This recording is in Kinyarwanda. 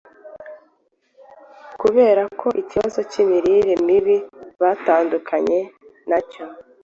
kubera ko ikibazo k’imirire mibi batandukanye na cyo;